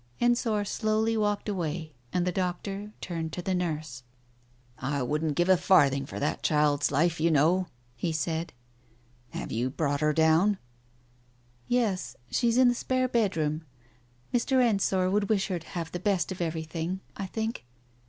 Ensor slowly walked away and the doctor turned to the nurse. Digitized by LiOO? IC [ THE TIGER SKIN 305 "I wouldn't give a farthing for that child's life, you know," he said. " Have you brought her down ?" "Yes, she's in the spare bedroom. Mr. Ensor would wish her to have the best of everything, ... I think?